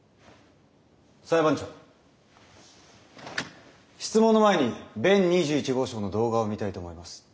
裁判長質問の前に弁２１号証の動画を見たいと思います。